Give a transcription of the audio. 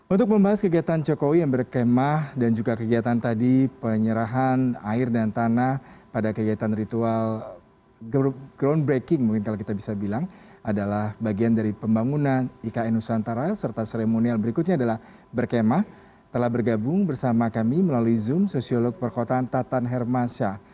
untuk membahas kegiatan cokowi yang berkemah dan juga kegiatan tadi penyerahan air dan tanah pada kegiatan ritual groundbreaking mungkin kalau kita bisa bilang adalah bagian dari pembangunan ikn nusantara serta seremonial berikutnya adalah berkemah telah bergabung bersama kami melalui zoom sosiolog perkotaan tatan hermansyah